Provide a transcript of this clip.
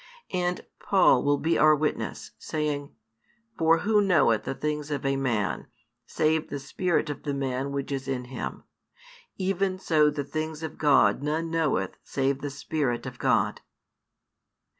And Paul will be our witness, saying, For who knoweth the things of a man, save the spirit of the man which is in him? even so the things of God none knoweth save the Spirit of God.